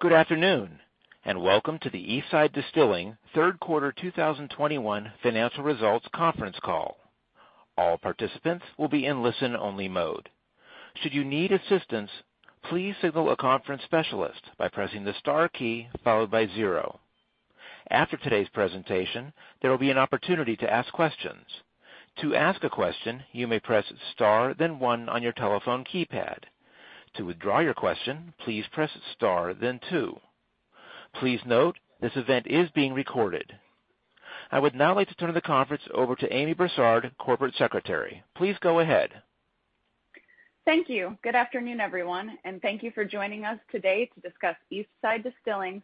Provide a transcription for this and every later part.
Good afternoon, and welcome to the Eastside Distilling third quarter 2021 financial results conference call. All participants will be in listen-only mode. Should you need assistance, please signal a conference specialist by pressing the star key followed by zero. After today's presentation, there will be an opportunity to ask questions. To ask a question, you may press star then one on your telephone keypad. To withdraw your question, please press star then two. Please note, this event is being recorded. I would now like to turn the conference over to Amy Brassard, Corporate Secretary. Please go ahead. Thank you. Good afternoon, everyone, and thank you for joining us today to discuss Eastside Distilling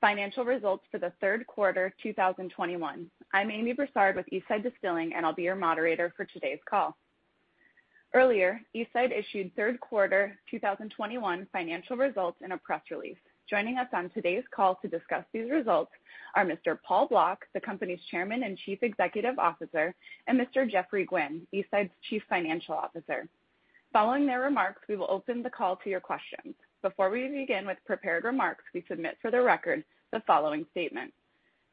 financial results for the third quarter 2021. I'm Amy Brassard with Eastside Distilling, and I'll be your moderator for today's call. Earlier, Eastside issued third quarter 2021 financial results in a press release. Joining us on today's call to discuss these results are Mr. Paul Block, the company's Chairman and Chief Executive Officer, and Mr. Geoffrey Gwin, Eastside's Chief Financial Officer. Following their remarks, we will open the call to your questions. Before we begin with prepared remarks, we submit for the record the following statement.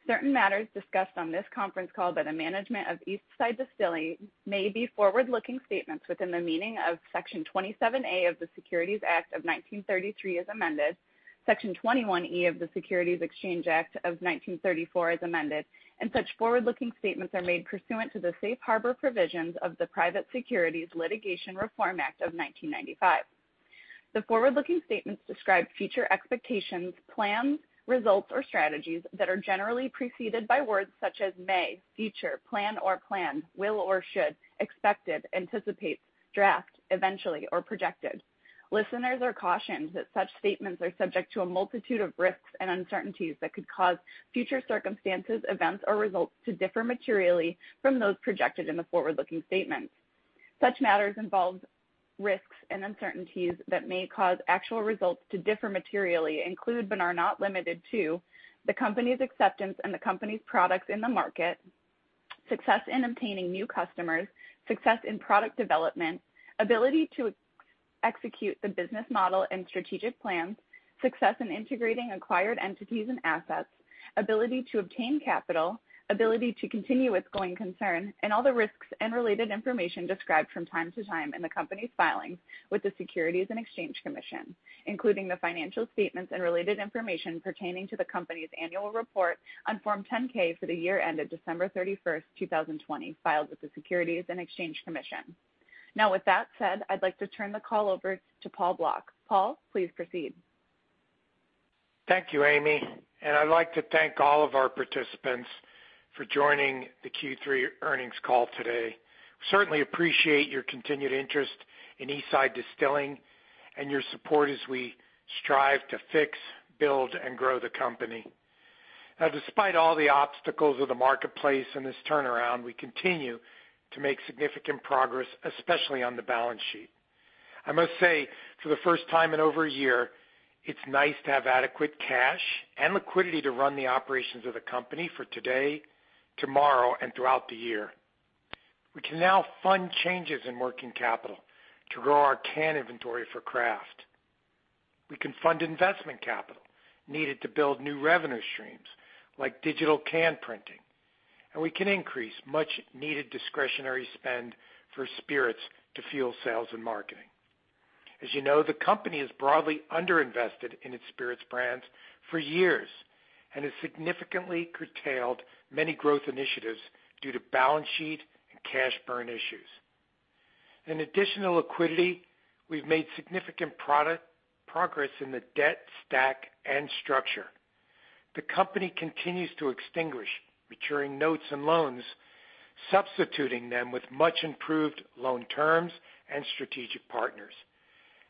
Certain matters discussed on this conference call by the management of Eastside Distilling may be forward-looking statements within the meaning of Section 27A of the Securities Act of 1933 as amended, Section 21E of the Securities Exchange Act of 1934 as amended, and such forward-looking statements are made pursuant to the Safe Harbor provisions of the Private Securities Litigation Reform Act of 1995. The forward-looking statements describe future expectations, plans, results, or strategies that are generally preceded by words such as may, future, plan or plans, will or should, expected, anticipate, draft, eventually, or projected. Listeners are cautioned that such statements are subject to a multitude of risks and uncertainties that could cause future circumstances, events, or results to differ materially from those projected in the forward-looking statements. Such matters involve risks and uncertainties that may cause actual results to differ materially, include, but are not limited to, acceptance of the company's products in the market, success in obtaining new customers, success in product development, ability to execute the business model and strategic plans, success in integrating acquired entities and assets, ability to obtain capital, ability to continue as a going concern, and all the risks and related information described from time to time in the company's filings with the Securities and Exchange Commission, including the financial statements and related information pertaining to the company's annual report on Form 10-K for the year ended December 31, 2020, filed with the Securities and Exchange Commission. Now, with that said, I'd like to turn the call over to Paul Block. Paul, please proceed. Thank you, Amy. I'd like to thank all of our participants for joining the Q3 earnings call today. Certainly appreciate your continued interest in Eastside Distilling and your support as we strive to fix, build, and grow the company. Now, despite all the obstacles of the marketplace in this turnaround, we continue to make significant progress, especially on the balance sheet. I must say, for the first time in over a year, it's nice to have adequate cash and liquidity to run the operations of the company for today, tomorrow, and throughout the year. We can now fund changes in working capital to grow our can inventory for Craft. We can fund investment capital needed to build new revenue streams like digital can printing, and we can increase much-needed discretionary spend for Spirits to fuel sales and marketing. As you know, the company has broadly underinvested in its Spirits brands for years and has significantly curtailed many growth initiatives due to balance sheet and cash burn issues. With additional liquidity, we've made significant progress in the debt stack and structure. The company continues to extinguish maturing notes and loans, substituting them with much improved loan terms and strategic partners.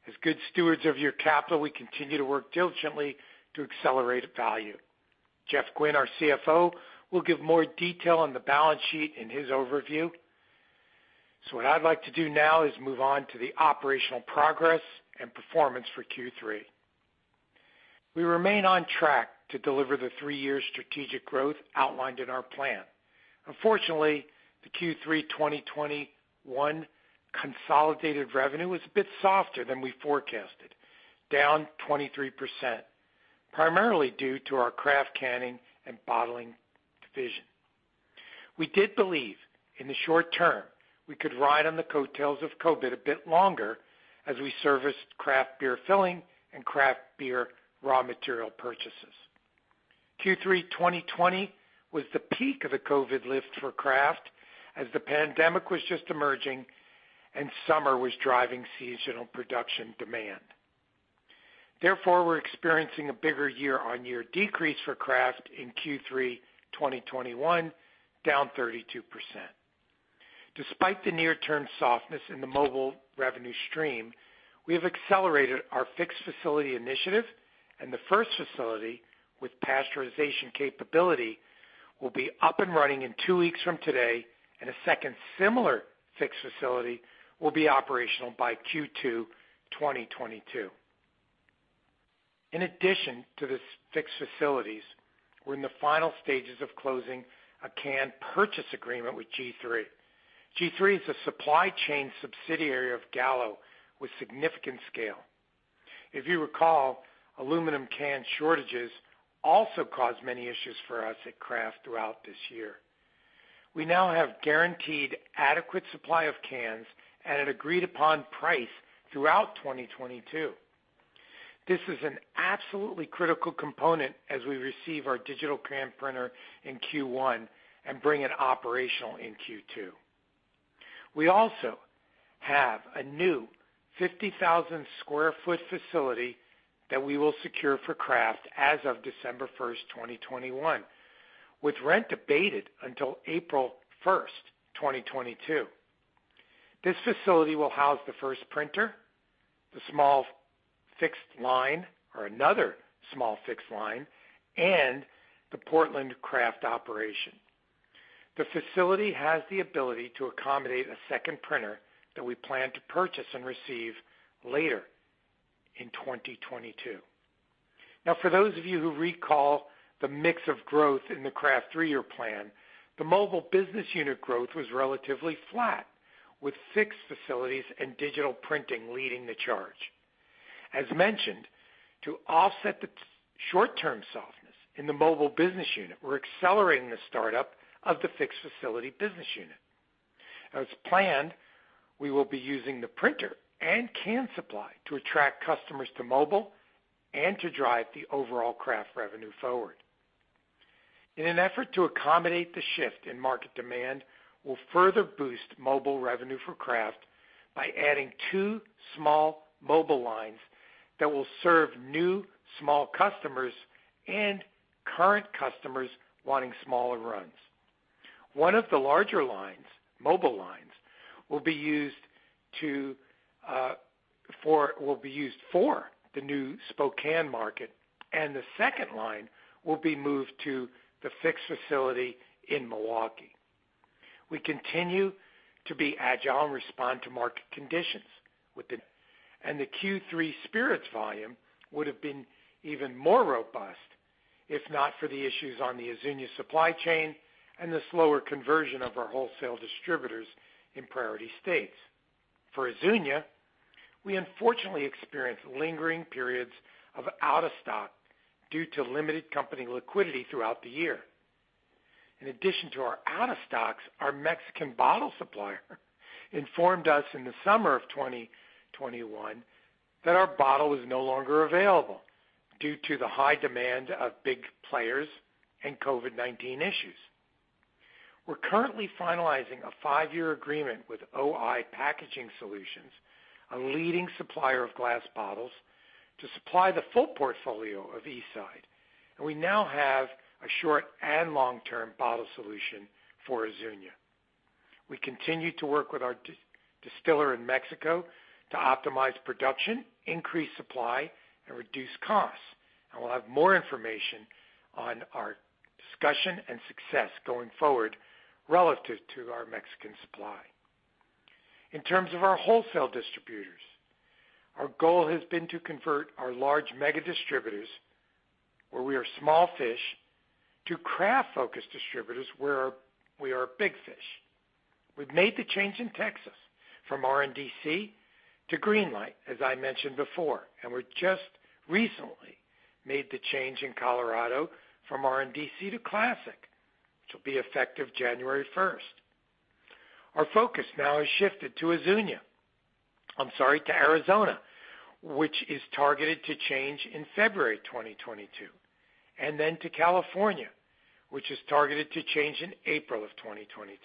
As good stewards of your capital, we continue to work diligently to accelerate value. Geoff Gwin, our CFO, will give more detail on the balance sheet in his overview. What I'd like to do now is move on to the operational progress and performance for Q3. We remain on track to deliver the three-year strategic growth outlined in our plan. Unfortunately, the Q3 2021 consolidated revenue was a bit softer than we forecasted, down 23%, primarily due to our Craft Canning and Bottling division. We did believe in the short term, we could ride on the coattails of COVID a bit longer as we serviced craft beer filling and craft beer raw material purchases. Q3 2020 was the peak of the COVID lift for Craft as the pandemic was just emerging and summer was driving seasonal production demand. Therefore, we're experiencing a bigger year-on-year decrease for Craft in Q3 2021, down 32%. Despite the near-term softness in the mobile revenue stream, we have accelerated our fixed facility initiative, and the first facility with pasteurization capability will be up and running in two weeks from today, and a second similar fixed facility will be operational by Q2 2022. In addition to the fixed facilities, we're in the final stages of closing a can purchase agreement with G3. G3 is a supply chain subsidiary of Gallo with significant scale. If you recall, aluminum can shortages also caused many issues for us at Craft throughout this year. We now have guaranteed adequate supply of cans at an agreed-upon price throughout 2022. This is an absolutely critical component as we receive our digital can printer in Q1 and bring it operational in Q2. We also have a new 50,000 sq ft facility that we will secure for Craft as of December 1, 2021, with rent abated until April 1, 2022. This facility will house the first printer, the small fixed line or another small fixed line, and the Portland Craft operation. The facility has the ability to accommodate a second printer that we plan to purchase and receive later in 2022. Now for those of you who recall the mix of growth in the Craft three-year plan, the mobile business unit growth was relatively flat, with fixed facilities and digital printing leading the charge. As mentioned, to offset the short-term softness in the mobile business unit, we're accelerating the startup of the fixed facility business unit. As planned, we will be using the printer and can supply to attract customers to mobile and to drive the overall Craft revenue forward. In an effort to accommodate the shift in market demand, we'll further boost mobile revenue for Craft by adding two small mobile lines that will serve new small customers and current customers wanting smaller runs. One of the larger lines, mobile lines, will be used for the new Spokane market, and the second line will be moved to the fixed facility in Milwaukee. We continue to be agile and respond to market conditions. The Q3 Spirits volume would have been even more robust if not for the issues on the Azuñia supply chain and the slower conversion of our wholesale distributors in priority states. For Azuñia, we unfortunately experienced lingering periods of out-of-stock due to limited company liquidity throughout the year. In addition to our out-of-stocks, our Mexican bottle supplier informed us in the summer of 2021 that our bottle was no longer available due to the high demand of big players and COVID-19 issues. We're currently finalizing a five-year agreement with O-I Packaging Solutions, a leading supplier of glass bottles, to supply the full portfolio of Eastside. We now have a short- and long-term bottle solution for Azuñia. We continue to work with our distiller in Mexico to optimize production, increase supply, and reduce costs, and we'll have more information on our discussion and success going forward relative to our Mexican supply. In terms of our wholesale distributors, our goal has been to convert our large mega distributors, where we are small fish, to craft-focused distributors, where we are a big fish. We've made the change in Texas from RNDC to Green Light, as I mentioned before, and we just recently made the change in Colorado from RNDC to Classic, which will be effective January 1. Our focus now has shifted to Arizona, which is targeted to change in February 2022, and then to California, which is targeted to change in April 2022.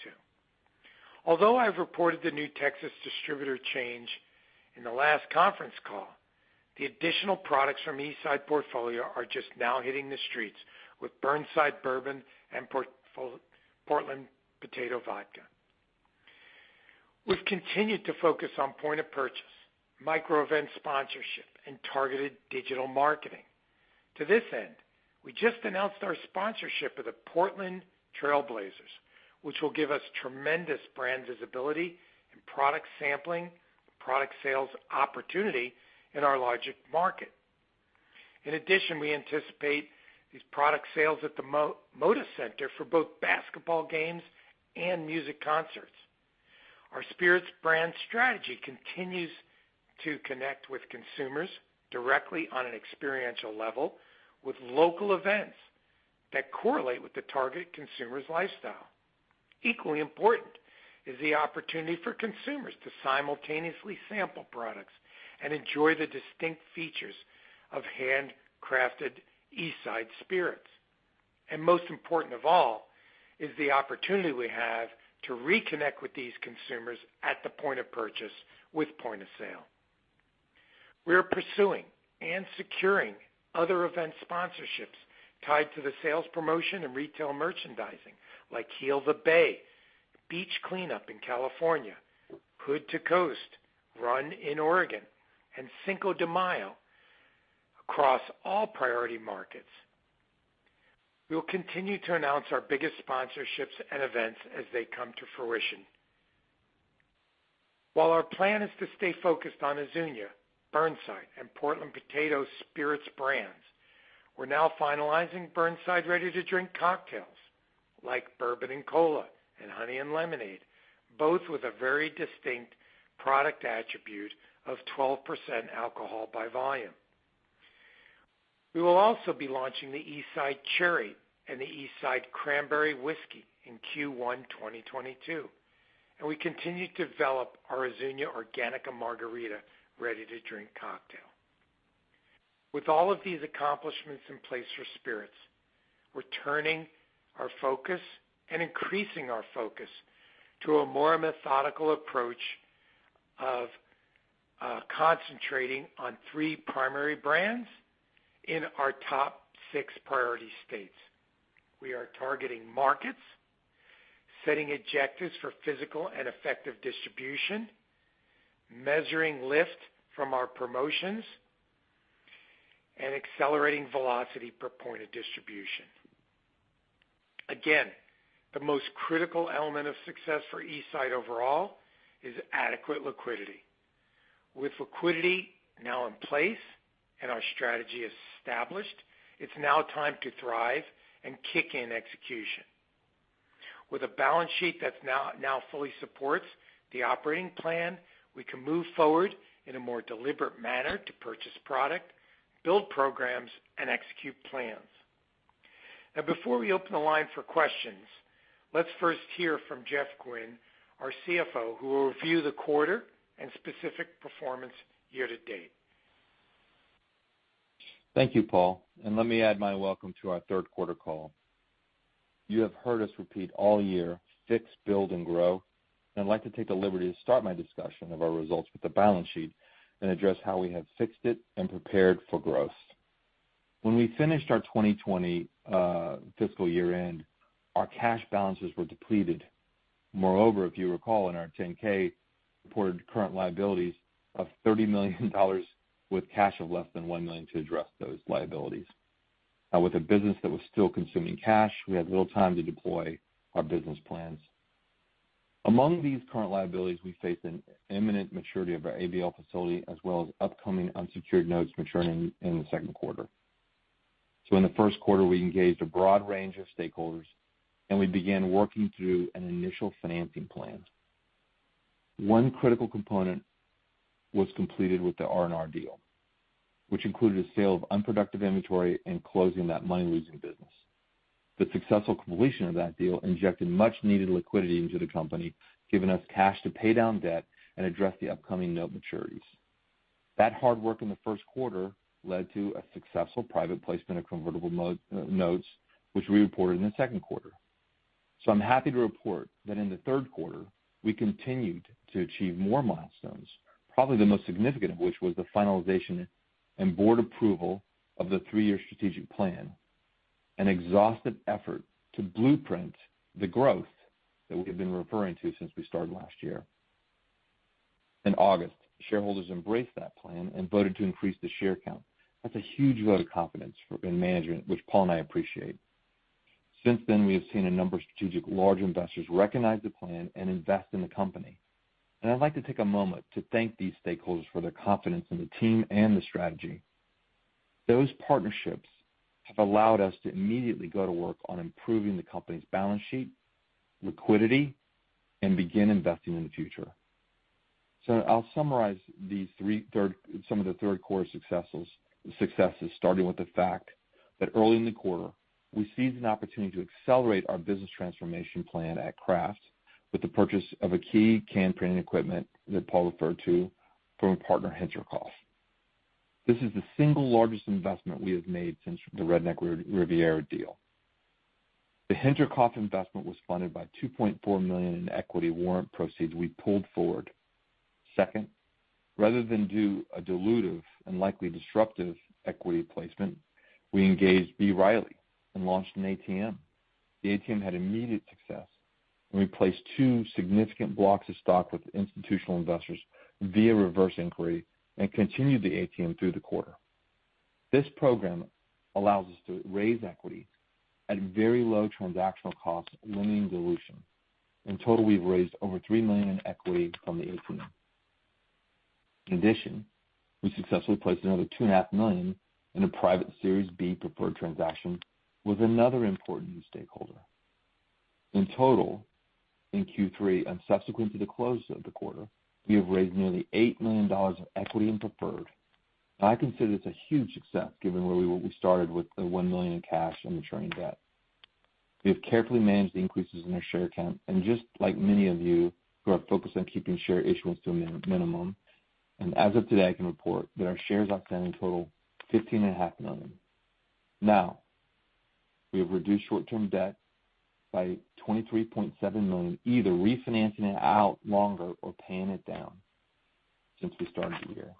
Although I've reported the new Texas distributor change in the last conference call, the additional products from Eastside portfolio are just now hitting the streets with Burnside Bourbon and Portland Potato Vodka. We've continued to focus on point-of-purchase, micro-event sponsorship, and targeted digital marketing. To this end, we just announced our sponsorship of the Portland Trail Blazers, which will give us tremendous brand visibility and product sampling, product sales opportunity in our largest market. In addition, we anticipate these product sales at the Moda Center for both basketball games and music concerts. Our Spirits brand strategy continues to connect with consumers directly on an experiential level with local events that correlate with the target consumer's lifestyle. Equally important is the opportunity for consumers to simultaneously sample products and enjoy the distinct features of handcrafted Eastside Spirits. Most important of all is the opportunity we have to reconnect with these consumers at the point-of-purchase with point of sale. We are pursuing and securing other event sponsorships tied to the sales promotion and retail merchandising, like Heal the Bay beach cleanup in California, Hood to Coast run in Oregon, and Cinco de Mayo across all priority markets. We'll continue to announce our biggest sponsorships and events as they come to fruition. While our plan is to stay focused on Azuñia, Burnside, and Portland Potato Vodka brands, we're now finalizing Burnside ready-to-drink cocktails like bourbon and cola and honey and lemonade, both with a very distinct product attribute of 12% alcohol by volume. We will also be launching the Eastside Cherry and the Eastside Cranberry Whiskey in Q1 2022, and we continue to develop our Azuñia Orgánica Margarita ready-to-drink cocktail. With all of these accomplishments in place for Spirits, we're turning our focus and increasing our focus to a more methodical approach of concentrating on three primary brands in our top six priority states. We are targeting markets, setting objectives for physical and effective distribution, measuring lift from our promotions, and accelerating velocity per point of distribution. Again, the most critical element of success for Eastside overall is adequate liquidity. With liquidity now in place and our strategy established, it's now time to thrive and kick in execution. With a balance sheet that's now fully supports the operating plan, we can move forward in a more deliberate manner to purchase product, build programs, and execute plans. Now, before we open the line for questions, let's first hear from Geoff Gwin, our CFO, who will review the quarter and specific performance year-to-date. Thank you, Paul, and let me add my welcome to our third quarter call. You have heard us repeat all year, fix, build, and grow. I'd like to take the liberty to start my discussion of our results with the balance sheet and address how we have fixed it and prepared for growth. When we finished our 2020 fiscal year-end, our cash balances were depleted. Moreover, if you recall, in our 10-K, we reported current liabilities of $30 million with cash of less than $1 million to address those liabilities. Now, with a business that was still consuming cash, we had little time to deploy our business plans. Among these current liabilities, we face an imminent maturity of our ABL facility, as well as upcoming unsecured notes maturing in the second quarter. In the first quarter, we engaged a broad range of stakeholders, and we began working through an initial financing plan. One critical component was completed with the R&R deal, which included a sale of unproductive inventory and closing that money-losing business. The successful completion of that deal injected much-needed liquidity into the company, giving us cash to pay down debt and address the upcoming note maturities. That hard work in the first quarter led to a successful private placement of convertible notes, which we reported in the second quarter. I'm happy to report that in the third quarter, we continued to achieve more milestones, probably the most significant of which was the finalization and board approval of the three-year strategic plan, an exhaustive effort to blueprint the growth that we have been referring to since we started last year. In August, shareholders embraced that plan and voted to increase the share count. That's a huge vote of confidence in management, which Paul and I appreciate. Since then, we have seen a number of strategic large investors recognize the plan and invest in the company. I'd like to take a moment to thank these stakeholders for their confidence in the team and the strategy. Those partnerships have allowed us to immediately go to work on improving the company's balance sheet, liquidity, and begin investing in the future. I'll summarize some of the third quarter successes, starting with the fact that early in the quarter, we seized an opportunity to accelerate our business transformation plan at Craft with the purchase of a key can printing equipment that Paul referred to from a partner, Hinterkopf. This is the single largest investment we have made since the Redneck Riviera deal. The Hinterkopf investment was funded by $2.4 million in equity warrant proceeds we pulled forward. Second, rather than do a dilutive and likely disruptive equity placement, we engaged B. Riley and launched an ATM. The ATM had immediate success, and we placed two significant blocks of stock with institutional investors via reverse inquiry and continued the ATM through the quarter. This program allows us to raise equity at very low transactional costs, limiting dilution. In total, we've raised over $3 million in equity from the ATM. In addition, we successfully placed another $2.5 million in a private Series B preferred transaction with another important stakeholder. In total, in Q3 and subsequent to the close of the quarter, we have raised nearly $8 million of equity and preferred. I consider this a huge success given where we started with the $1 million in cash and maturing debt. We have carefully managed the increases in our share count and just like many of you who are focused on keeping share issuance to a minimum. As of today, I can report that our shares outstanding total 15.5 million. Now, we have reduced short-term debt by $23.7 million, either refinancing it out longer or paying it down since we started the year.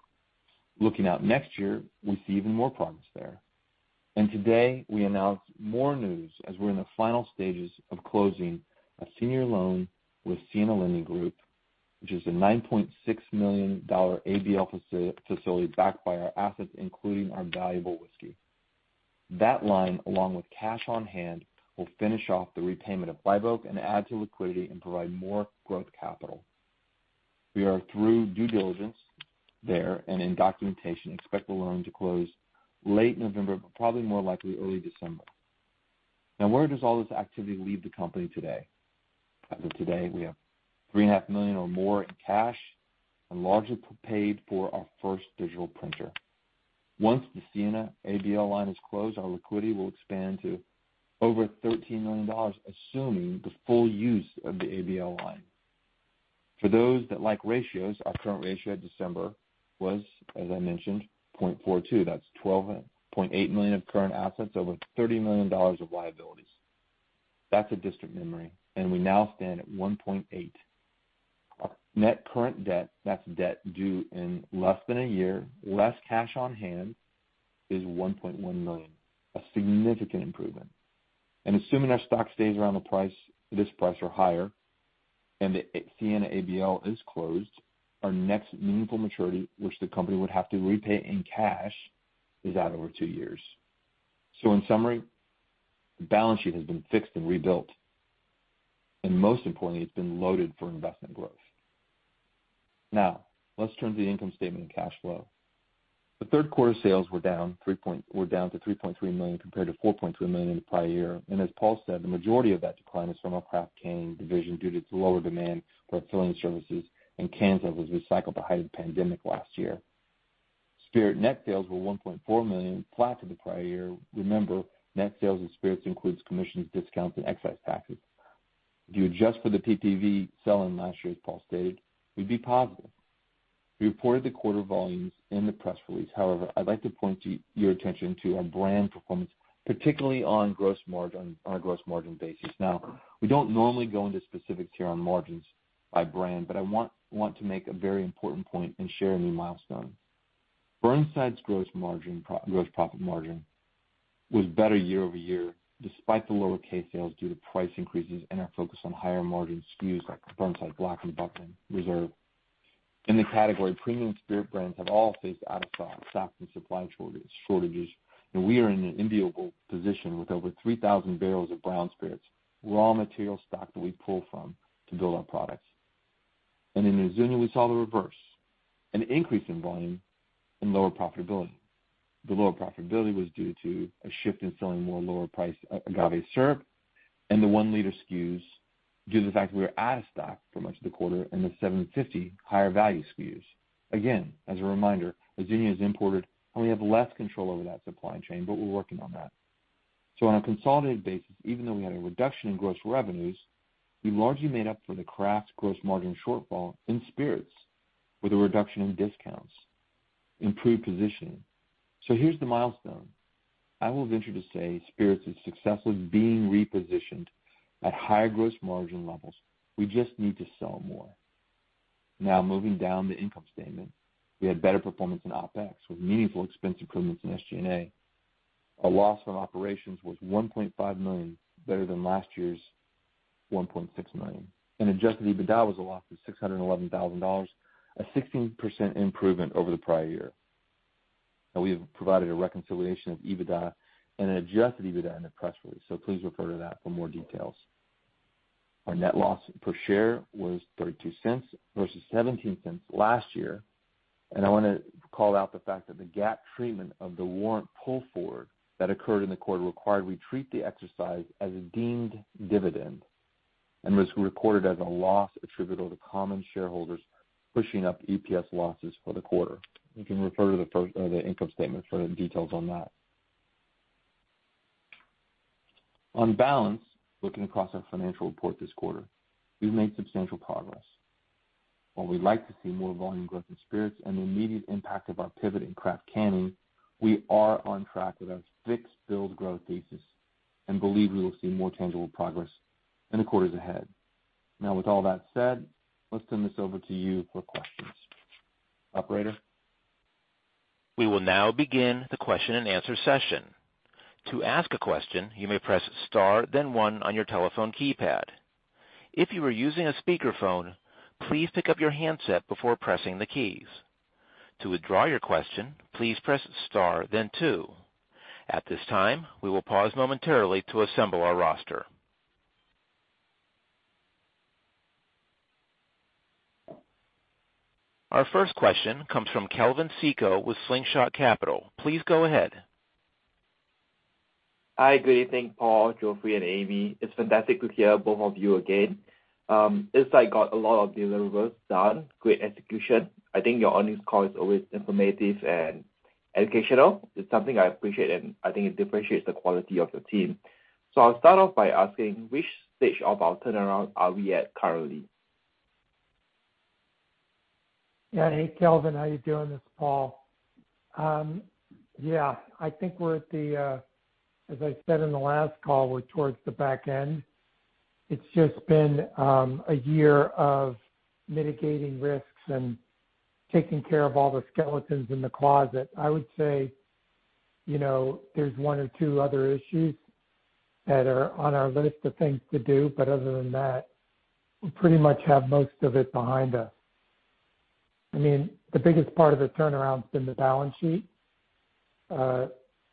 Looking out next year, we see even more promise there. Today, we announce more news as we're in the final stages of closing a senior loan with Siena Lending Group, which is a $9.6 million ABL facility backed by our assets, including our valuable whiskey. That line, along with cash on hand, will finish off the repayment of Live Oak and add to liquidity and provide more growth capital. We are through due diligence there and in documentation and expect the loan to close late November, but probably more likely early December. Now, where does all this activity leave the company today? As of today, we have $3.5 million or more in cash and largely paid for our first digital printer. Once the Siena ABL line is closed, our liquidity will expand to over $13 million, assuming the full use of the ABL line. For those that like ratios, our current ratio at December was, as I mentioned, 0.42. That's $12.8 million of current assets over $30 million of liabilities. That's a distant memory, and we now stand at 1.8. Our net current debt, that's debt due in less than a year, less cash on hand, is $1.1 million, a significant improvement. Assuming our stock stays around the price, this price or higher, and the Siena ABL is closed, our next meaningful maturity, which the company would have to repay in cash, is out over two years. In summary, the balance sheet has been fixed and rebuilt, and most importantly, it's been loaded for investment growth. Now let's turn to the income statement and cash flow. Third quarter sales were down to $3.3 million compared to $4.2 million in the prior year. As Paul said, the majority of that decline is from our Craft Canning division due to lower demand for our filling services, and cans that was recycled behind the pandemic last year. Spirits net sales were $1.4 million, flat to the prior year. Remember, net sales of Spirits includes commissions, discounts, and excise taxes. If you adjust for the PPV selling last year, as Paul stated, we'd be positive. We reported the quarter volumes in the press release. However, I'd like to point your attention to our brand performance, particularly on a gross margin basis. Now, we don't normally go into specifics here on margins by brand, but I want to make a very important point and share a new milestone. Burnside's gross profit margin was better year-over-year, despite the lower SKU sales due to price increases and our focus on higher-margin SKUs like Burnside Black, Bourbon, and Reserve. In the category, premium spirit brands have all faced out-of-stock and supply shortages, and we are in an enviable position with over 3,000 bbl of brown Spirits raw material stock that we pull from to build our products. In Azuñia, we saw the reverse, an increase in volume and lower profitability. The lower profitability was due to a shift in selling more lower-priced agave syrup and the 1-liter SKUs due to the fact that we were out-of-stock for much of the quarter in the 750 ml higher-value SKUs. Again, as a reminder, Azuñia is imported, and we have less control over that supply chain, but we're working on that. On a consolidated basis, even though we had a reduction in gross revenues, we largely made up for the craft gross margin shortfall in Spirits with a reduction in discounts, improved positioning. Here's the milestone. I will venture to say Spirits is successfully being repositioned at higher gross margin levels. We just need to sell more. Now moving down the income statement, we had better performance in OpEx with meaningful expense improvements in SG&A. Our loss from operations was $1.5 million, better than last year's $1.6 million. Adjusted EBITDA was a loss of $611,000, a 16% improvement over the prior year. Now we have provided a reconciliation of EBITDA and an adjusted EBITDA in the press release, so please refer to that for more details. Our net loss per share was $0.32 versus $0.17 last year. I wanna call out the fact that the GAAP treatment of the warrant pull forward that occurred in the quarter required we treat the exercise as a deemed dividend and was reported as a loss attributable to common shareholders pushing up EPS losses for the quarter. You can refer to the first, the income statement for the details on that. On balance, looking across our financial report this quarter, we've made substantial progress. While we'd like to see more volume growth in Spirits and the immediate impact of our pivot in Craft Canning, we are on track with our fixed build growth thesis and believe we will see more tangible progress in the quarters ahead. Now, with all that said, let's turn this over to you for questions. Operator? We will now begin the question and answer session. To ask a question, you may press star then one on your telephone keypad. If you are using a speakerphone, please pick up your handset before pressing the keys. To withdraw your question, please press star then two. At this time, we will pause momentarily to assemble our roster. Our first question comes from Kelvin Seetoh with Slingshot Capital. Please go ahead. Hi, good evening, Paul, Geoffrey, and Amy. It's fantastic to hear both of you again. It's like got a lot of deliverables done, great execution. I think your earnings call is always informative and educational. It's something I appreciate, and I think it differentiates the quality of your team. I'll start off by asking which stage of our turnaround are we at currently? Yeah. Hey, Kelvin. How you doing? It's Paul. Yeah, I think we're at the, as I said in the last call, we're towards the back end. It's just been a year of mitigating risks and taking care of all the skeletons in the closet. I would say, you know, there's one or two other issues that are on our list of things to do, but other than that, we pretty much have most of it behind us. I mean, the biggest part of the turnaround's been the balance sheet,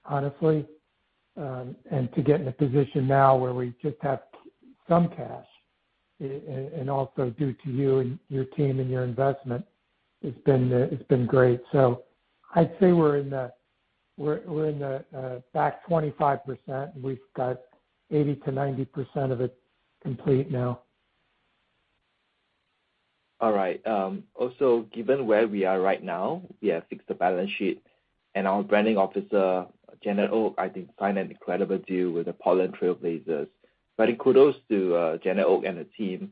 honestly, and to get in a position now where we just have some cash, and also due to you and your team and your investment, it's been great. I'd say we're in the back 25%. We've got 80%-90% of it complete now. All right. Also, given where we are right now, we have fixed the balance sheet, and our Branding Officer, Janet Oak, I think, signed an incredible deal with the Portland Trail Blazers. In kudos to Janet Oak and the team,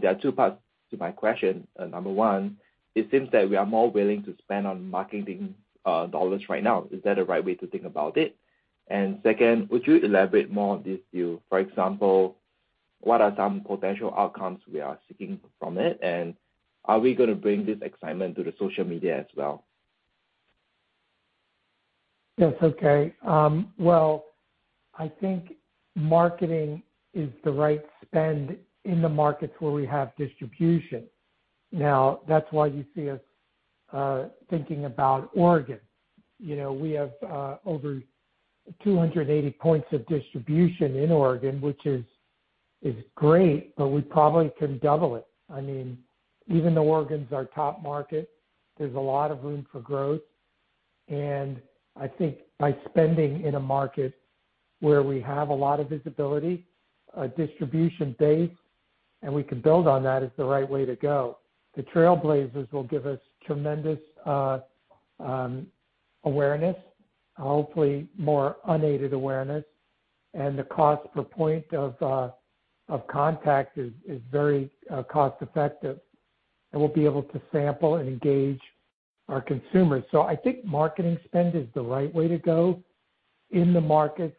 there are two parts to my question. Number one, it seems that we are more willing to spend on marketing dollars right now. Is that a right way to think about it? Second, would you elaborate more on this deal? For example, what are some potential outcomes we are seeking from it? Are we gonna bring this excitement to the social media as well? Yes. Okay. Well, I think marketing is the right spend in the markets where we have distribution. Now, that's why you see us thinking about Oregon. You know, we have over 280 points of distribution in Oregon, which is great, but we probably can double it. I mean, even though Oregon's our top market, there's a lot of room for growth. I think by spending in a market where we have a lot of visibility, a distribution base, and we can build on that is the right way to go. The Portland Trail Blazers will give us tremendous awareness, hopefully more unaided awareness, and the cost per point of contact is very cost-effective, and we'll be able to sample and engage our consumers. I think marketing spend is the right way to go in the markets.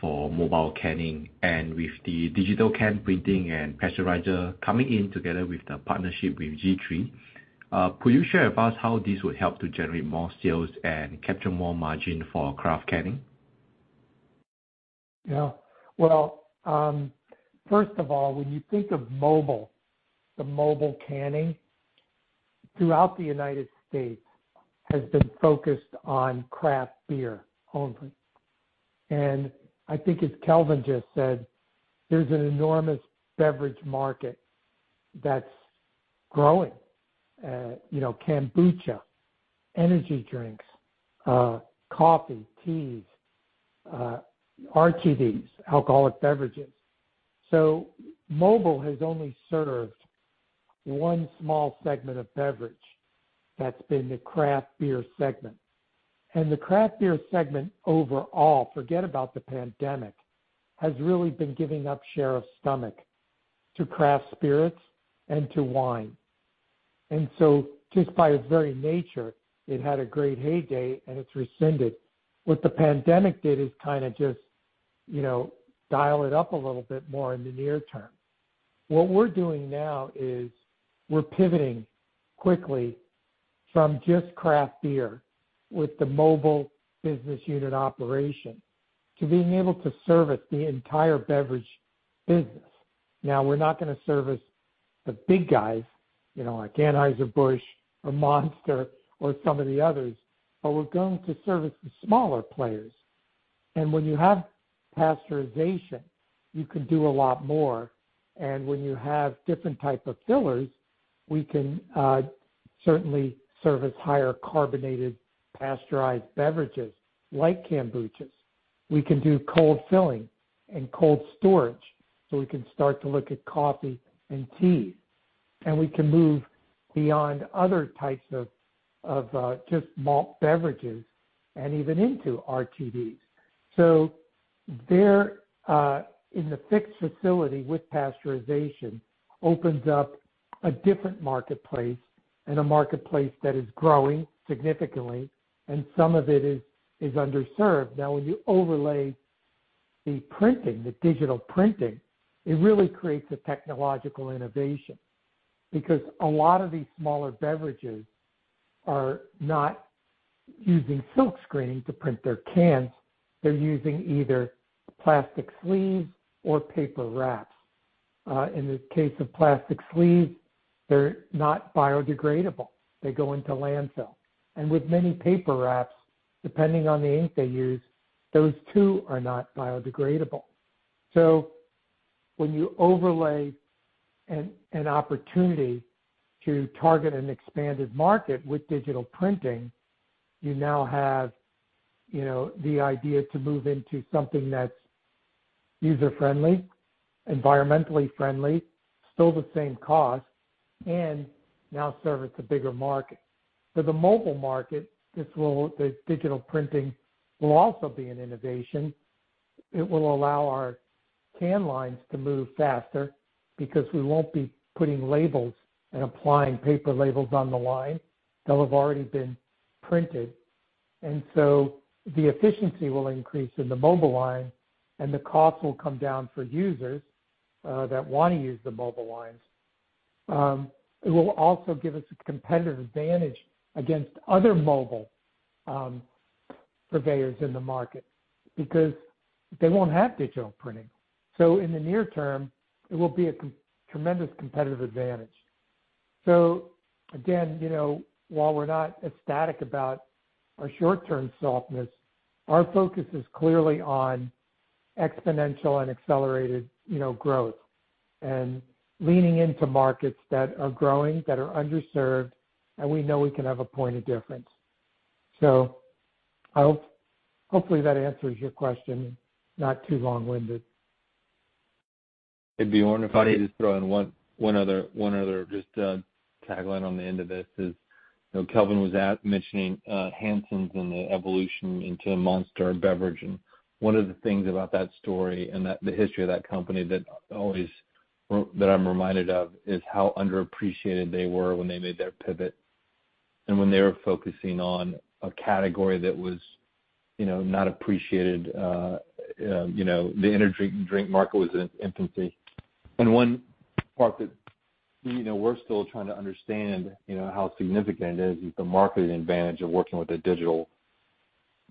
For mobile canning and with the digital can printing and pasteurizer coming in together with the partnership with G3, could you share with us how this would help to generate more sales and capture more margin for Craft Canning? Yeah. Well, first of all, when you think of mobile, the mobile canning throughout the United States has been focused on craft beer only. I think as Kelvin just said, there's an enormous beverage market that's growing. You know, kombucha, energy drinks, coffee, teas, RTDs, alcoholic beverages. Mobile has only served one small segment of beverage, that's been the craft beer segment. The craft beer segment overall, forget about the pandemic, has really been giving up share of stomach to craft Spirits and to wine. Just by its very nature, it had a great heyday, and it's receded. What the pandemic did is kinda just, you know, dial it up a little bit more in the near term. What we're doing now is we're pivoting quickly from just craft beer with the mobile business unit operation to being able to service the entire beverage business. Now, we're not gonna service the big guys, you know, like Anheuser-Busch or Monster or some of the others, but we're going to service the smaller players. When you have pasteurization, you can do a lot more. When you have different type of fillers, we can certainly service higher carbonated pasteurized beverages like kombuchas. We can do cold filling and cold storage, so we can start to look at coffee and tea. We can move beyond other types of just malt beverages and even into RTDs. There in the fixed facility with pasteurization opens up a different marketplace and a marketplace that is growing significantly, and some of it is underserved. Now, when you overlay the printing, the digital printing, it really creates a technological innovation because a lot of these smaller beverages are not using silk screening to print their cans, they're using either plastic sleeves or paper wraps. In the case of plastic sleeves, they're not biodegradable. They go into landfill. With many paper wraps, depending on the ink they use, those too are not biodegradable. When you overlay an opportunity to target an expanded market with digital printing, you now have, you know, the idea to move into something that's user-friendly, environmentally friendly, still the same cost, and now service a bigger market. For the mobile market, the digital printing will also be an innovation. It will allow our can lines to move faster because we won't be putting labels and applying paper labels on the line. They'll have already been printed. The efficiency will increase in the mobile line, and the cost will come down for users that wanna use the mobile lines. It will also give us a competitive advantage against other mobile purveyors in the market because they won't have digital printing. In the near term, it will be a tremendous competitive advantage. Again, you know, while we're not ecstatic about our short-term softness, our focus is clearly on exponential and accelerated, you know, growth and leaning into markets that are growing, that are underserved, and we know we can have a point of difference. I hopefully that answers your question. Not too long-winded. It'd be wonderful to just throw in one other just tagline on the end of this is, you know, Kelvin was mentioning Hansen's and the evolution into a Monster Beverage. One of the things about that story and that, the history of that company that I'm reminded of is how underappreciated they were when they made their pivot and when they were focusing on a category that was, you know, not appreciated. You know, the energy drink market was in its infancy. One part that, you know, we're still trying to understand, you know, how significant it is the marketing advantage of working with a digital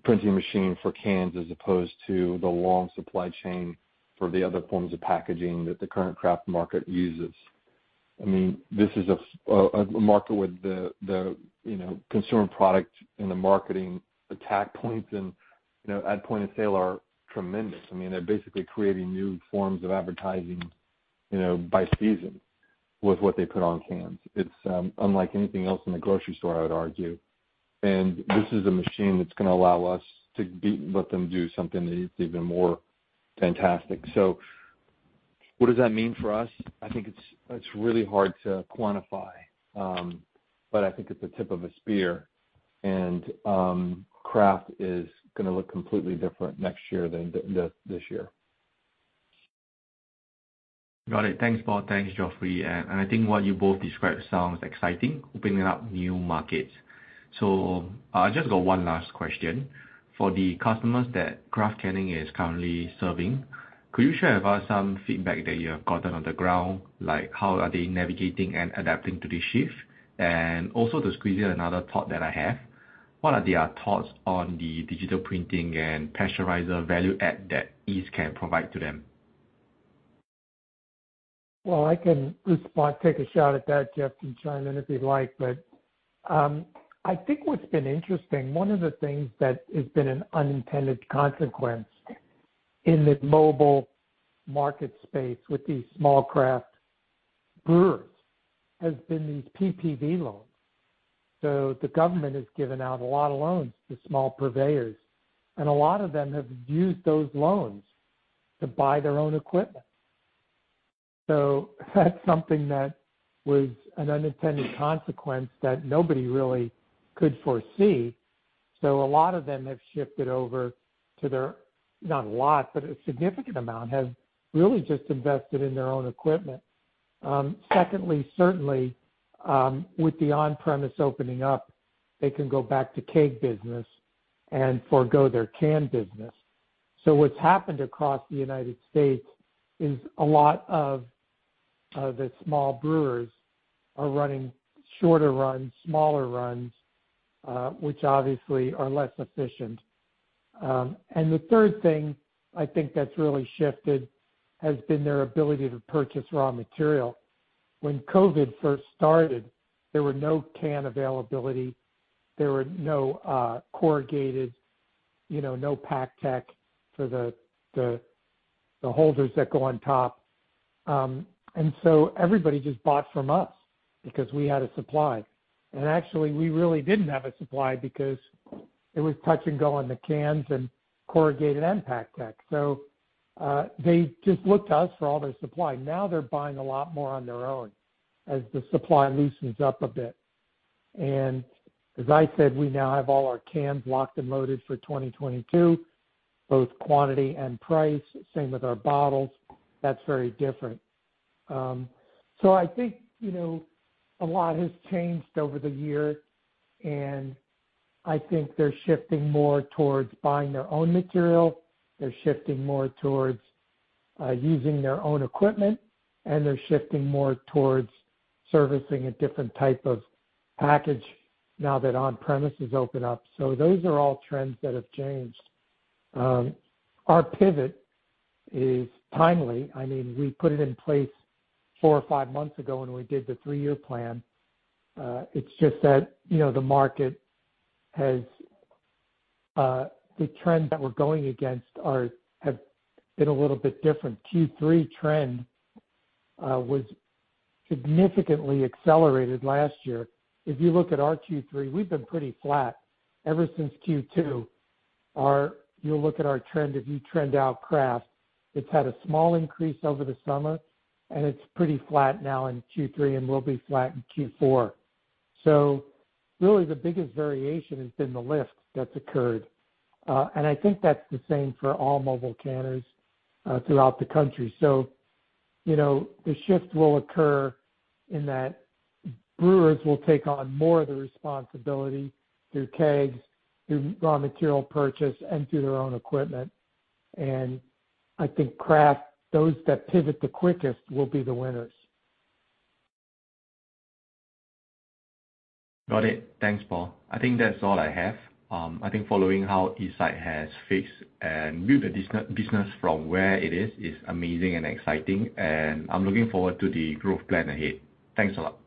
printing machine for cans as opposed to the long supply chain for the other forms of packaging that the current craft market uses. I mean, this is a market with the you know, consumer product and the marketing attack points and, you know, at point of sale are tremendous. I mean, they're basically creating new forms of advertising, you know, by season with what they put on cans. It's unlike anything else in the grocery store, I would argue. This is a machine that's gonna allow us to let them do something even more fantastic. What does that mean for us? I think it's really hard to quantify. I think it's the tip of a spear and craft is gonna look completely different next year than this year. Got it. Thanks, Paul. Thanks, Geoffrey. I think what you both described sounds exciting, opening up new markets. I just got one last question. For the customers that Craft Canning is currently serving, could you share with us some feedback that you have gotten on the ground, like how are they navigating and adapting to this shift? Also to squeeze in another thought that I have, what are their thoughts on the digital printing and pasteurizer value add that East can provide to them? Well, I can respond, take a shot at that, Jeff, you can chime in if you'd like. I think what's been interesting, one of the things that has been an unintended consequence in the mobile market space with these small craft brewers has been these PPP loans. The government has given out a lot of loans to small purveyors, and a lot of them have used those loans to buy their own equipment. That's something that was an unintended consequence that nobody really could foresee. Not a lot, but a significant amount has really just invested in their own equipment. Secondly, certainly, with the on-premise opening up, they can go back to keg business and forgo their can business. What's happened across the United States is a lot of the small brewers are running shorter runs, smaller runs, which obviously are less efficient. The third thing I think that's really shifted has been their ability to purchase raw material. When COVID first started, there were no can availability, there were no corrugated, no PakTech for the holders that go on top. Everybody just bought from us because we had a supply. Actually, we really didn't have a supply because it was touch and go on the cans and corrugated, PakTech. They just looked to us for all their supply. Now they're buying a lot more on their own as the supply loosens up a bit. As I said, we now have all our cans locked and loaded for 2022, both quantity and price. Same with our bottles. That's very different. I think, you know, a lot has changed over the year, and I think they're shifting more towards buying their own material, they're shifting more towards using their own equipment, and they're shifting more towards servicing a different type of package now that on-premise is open up. Those are all trends that have changed. Our pivot is timely. I mean, we put it in place four or five months ago when we did the three-year plan. It's just that, you know, the trends that we're going against have been a little bit different. Q3 trend was significantly accelerated last year. If you look at our Q3, we've been pretty flat. Ever since Q2, you look at our trend, if you trend out craft, it's had a small increase over the summer, and it's pretty flat now in Q3 and will be flat in Q4. Really the biggest variation has been the lift that's occurred. I think that's the same for all mobile canners throughout the country. You know, the shift will occur in that brewers will take on more of the responsibility through kegs, through raw material purchase, and through their own equipment. I think craft, those that pivot the quickest will be the winners. Got it. Thanks, Paul. I think that's all I have. I think following how Eastside has fixed and built the business from where it is amazing and exciting, and I'm looking forward to the growth plan ahead. Thanks a lot.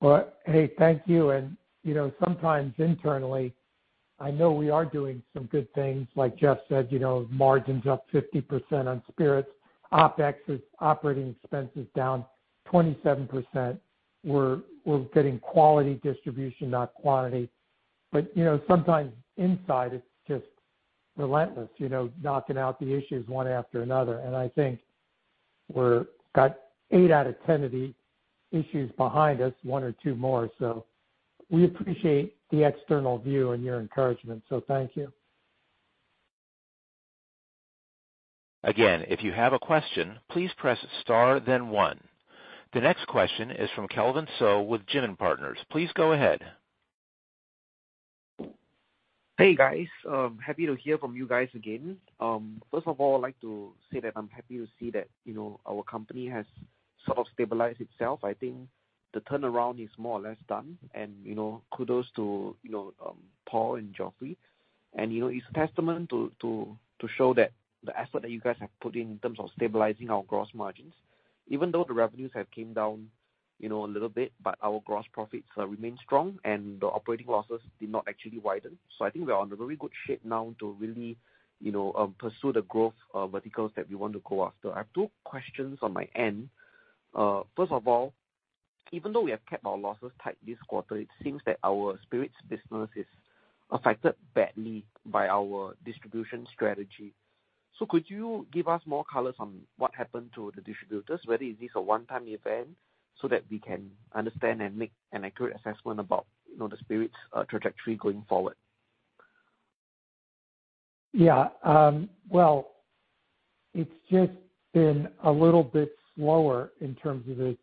Well, hey, thank you. You know, sometimes internally, I know we are doing some good things, like Jeff said, you know, margins up 50% on Spirits. OpEx is operating expenses down 27%. We're getting quality distribution, not quantity. You know, sometimes inside, it's just relentless, you know, knocking out the issues one after another. I think we've got eight out of 10 of the issues behind us, one or two more. We appreciate the external view and your encouragement. Thank you. Again, if you have a question, please press star then one. The next question is from Kelvin So with Jim and Partners. Please go ahead. Hey, guys. Happy to hear from you guys again. First of all, I'd like to say that I'm happy to see that, you know, our company has sort of stabilized itself. I think the turnaround is more or less done and, you know, kudos to, you know, Paul and Geoffrey. You know, it's a testament to show that the effort that you guys have put in terms of stabilizing our gross margins, even though the revenues have came down, you know, a little bit, but our gross profits remain strong and the operating losses did not actually widen. I think we are in very good shape now to really, you know, pursue the growth verticals that we want to go after. I have two questions on my end. First of all, even though we have kept our losses tight this quarter, it seems that our Spirits business is affected badly by our distribution strategy. Could you give us more colors on what happened to the distributors, whether is this a one-time event, so that we can understand and make an accurate assessment about, you know, the Spirits trajectory going forward? Yeah. Well, it's just been a little bit slower in terms of it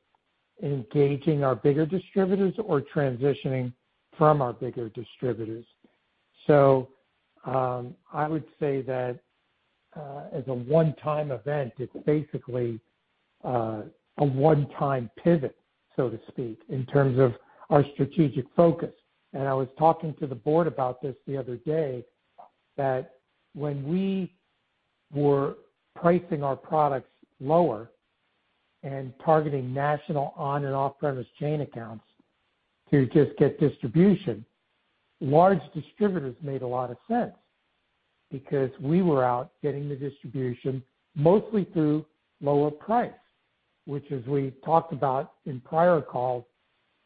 engaging our bigger distributors or transitioning from our bigger distributors. I would say that, as a one-time event, it's basically a one-time pivot, so to speak, in terms of our strategic focus. I was talking to the board about this the other day, that when we were pricing our products lower and targeting national on and off-premise chain accounts to just get distribution, large distributors made a lot of sense because we were out getting the distribution mostly through lower price, which as we talked about in prior calls,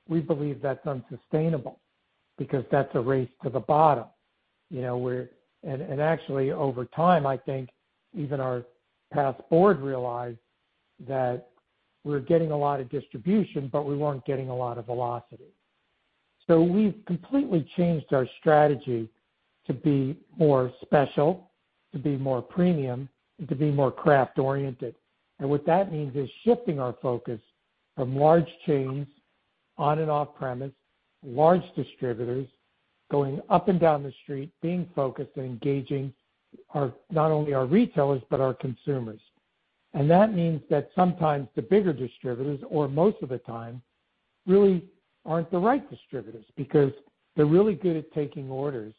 we believe that's unsustainable because that's a race to the bottom. You know, actually, over time, I think even our past board realized that we're getting a lot of distribution, but we weren't getting a lot of velocity. We've completely changed our strategy to be more special, to be more premium, and to be more craft-oriented. What that means is shifting our focus from large chains on and off-premise, large distributors going up and down the street, being focused and engaging our, not only our retailers, but our consumers. That means that sometimes the bigger distributors, or most of the time, really aren't the right distributors because they're really good at taking orders,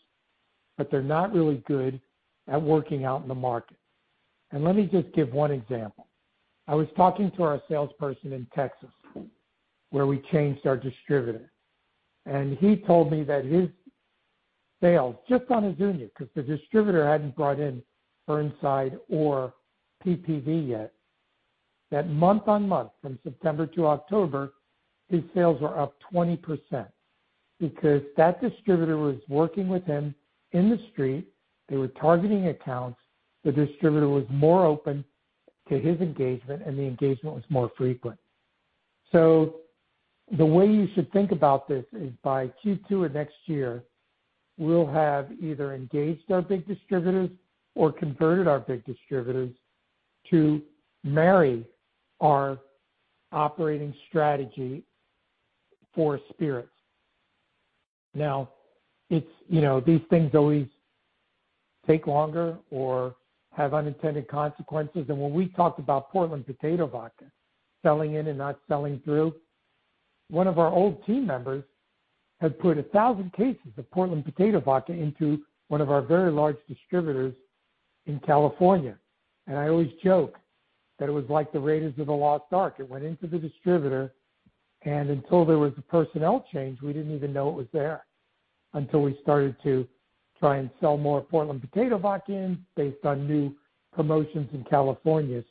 but they're not really good at working out in the market. Let me just give one example. I was talking to our salesperson in Texas, where we changed our distributor, and he told me that his sales, just on Azuñia, because the distributor hadn't brought in Burnside or PPV yet, that month-over-month, from September to October, his sales are up 20% because that distributor was working with him in the street. They were targeting accounts. The distributor was more open to his engagement, and the engagement was more frequent. The way you should think about this is by Q2 of next year, we'll have either engaged our big distributors or converted our big distributors to marry our operating strategy for Spirits. Now, it's, you know, these things always take longer or have unintended consequences. When we talked about Portland Potato Vodka selling in and not selling through, one of our old team members had put 1,000 cases of Portland Potato Vodka into one of our very large distributors in California. I always joke that it was like the Raiders of the Lost Ark. It went into the distributor, and until there was a personnel change, we didn't even know it was there until we started to try and sell more Portland Potato Vodka in California based on new promotions in California.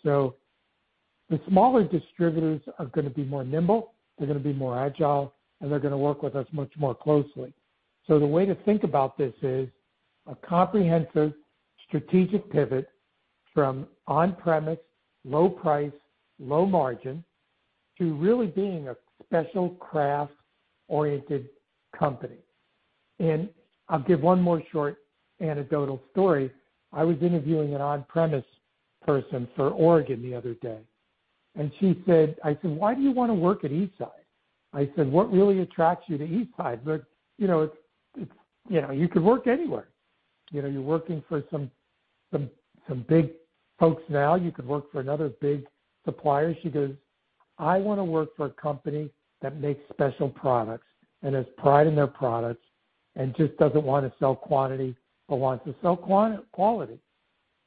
The smaller distributors are gonna be more nimble, they're gonna be more agile, and they're gonna work with us much more closely. The way to think about this is a comprehensive strategic pivot from on-premise, low price, low margin to really being a special craft-oriented company. I'll give one more short anecdotal story. I was interviewing an on-premise person for Oregon the other day. She said, I said, "Why do you wanna work at Eastside?" I said, "What really attracts you to Eastside? You know, it's. You know, you could work anywhere. You know, you're working for some big folks now. You could work for another big supplier." She goes, "I wanna work for a company that makes special products and has pride in their products and just doesn't wanna sell quantity, but wants to sell quality."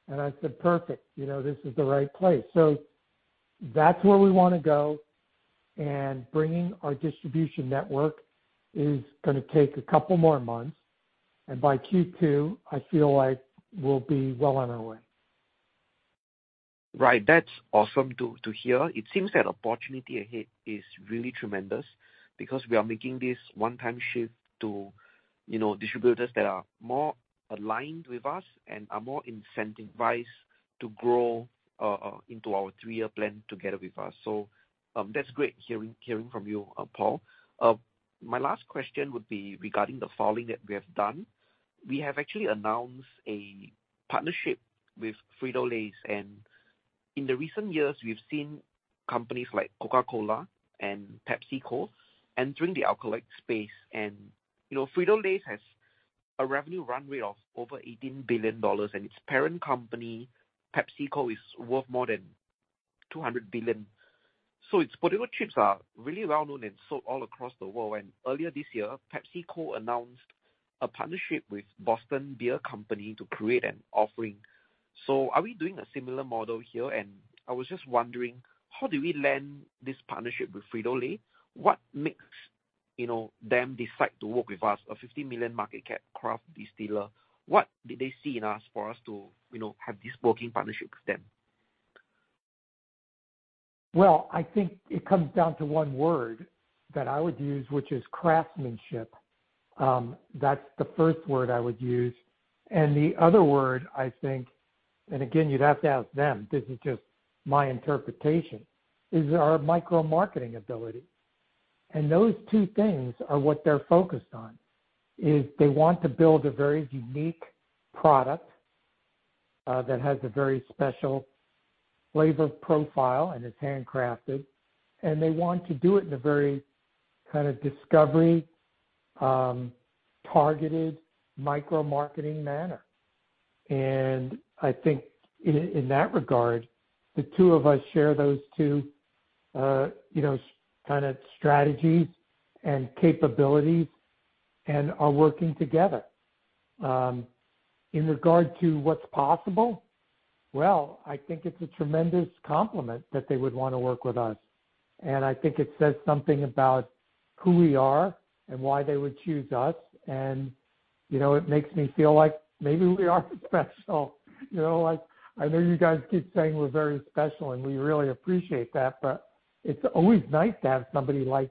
I said, "Perfect, you know, this is the right place." That's where we wanna go, and bringing our distribution network is gonna take a couple more months, and by Q2, I feel like we'll be well on our way. Right. That's awesome to hear. It seems that opportunity ahead is really tremendous because we are making this one-time shift to, you know, distributors that are more aligned with us and are more incentivized to grow into our three-year plan together with us. That's great hearing from you, Paul. My last question would be regarding the filing that we have done. We have actually announced a partnership with Frito-Lay, and in the recent years, we've seen companies like Coca-Cola and PepsiCo entering the alcoholic space. You know, Frito-Lay has a revenue runway of over $18 billion, and its parent company, PepsiCo, is worth more than $200 billion. Its potato chips are really well-known and sold all across the world. Earlier this year, PepsiCo announced a partnership with Boston Beer Company to create an offering. Are we doing a similar model here? I was just wondering, how did we land this partnership with Frito-Lay? What makes, you know, them decide to work with us, a $50 million market cap craft distiller? What did they see in us for us to, you know, have this working partnership with them? Well, I think it comes down to one word that I would use, which is craftsmanship. That's the first word I would use. The other word I think, and again, you'd have to ask them, this is just my interpretation, is our micro-marketing ability. Those two things are what they're focused on, is they want to build a very unique product that has a very special flavor profile and is handcrafted, and they want to do it in a very kind of discovery targeted micro-marketing manner. I think in that regard, the two of us share those two, you know, kind of strategies and capabilities and are working together. In regard to what's possible, well, I think it's a tremendous compliment that they would wanna work with us. I think it says something about who we are and why they would choose us. You know, it makes me feel like maybe we are special. You know, like I know you guys keep saying we're very special, and we really appreciate that, but it's always nice to have somebody like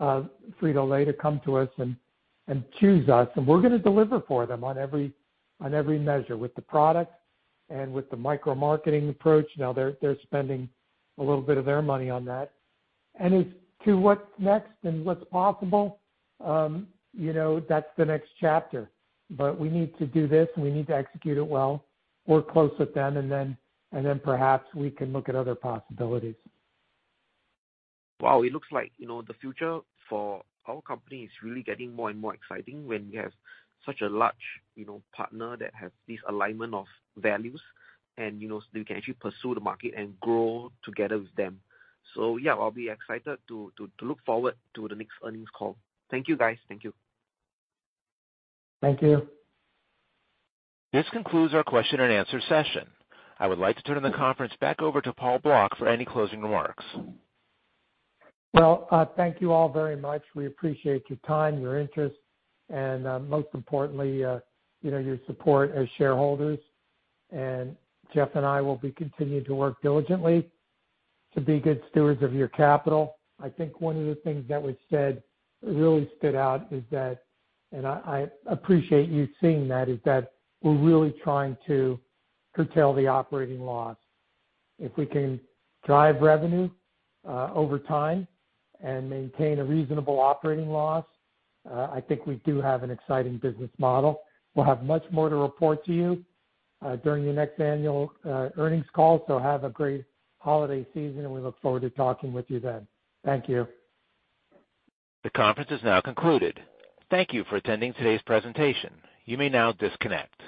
Frito-Lay to come to us and choose us. We're gonna deliver for them on every measure with the product and with the micro-marketing approach. Now they're spending a little bit of their money on that. As to what's next and what's possible, you know, that's the next chapter. We need to do this, and we need to execute it well, work close with them, and then perhaps we can look at other possibilities. Wow, it looks like, you know, the future for our company is really getting more and more exciting when we have such a large, you know, partner that has this alignment of values and, you know, we can actually pursue the market and grow together with them. Yeah, I'll be excited to look forward to the next earnings call. Thank you, guys. Thank you. Thank you. This concludes our question and answer session. I would like to turn the conference back over to Paul Block for any closing remarks. Well, thank you all very much. We appreciate your time, your interest, and, most importantly, you know, your support as shareholders. Jeff and I will be continuing to work diligently to be good stewards of your capital. I think one of the things that was said that really stood out is that, and I appreciate you seeing that, is that we're really trying to curtail the operating loss. If we can drive revenue, over time and maintain a reasonable operating loss, I think we do have an exciting business model. We'll have much more to report to you, during the next annual earnings call. Have a great holiday season, and we look forward to talking with you then. Thank you. The conference is now concluded. Thank you for attending today's presentation. You may now disconnect.